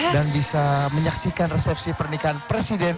dan bisa menyaksikan resepsi pernikahan presiden